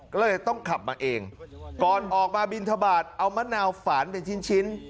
ก็เลยต้องขับมาเองก่อนออกมาบินทบาทเอามะนาวฝานเป็นชิ้น